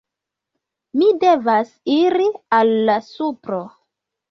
Mi devas iri al la supro